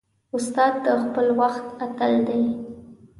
استاد د خپل وخت اتل دی.